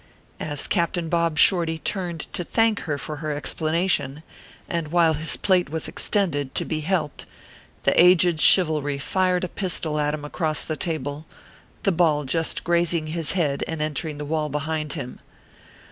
As Captain Bob Shorty turned to thank her for her explanation, and while his plate was extended, to be helped, the aged Chivalry fired a pistol at him across the table, the ball just grazing his head and entering the wall behind him.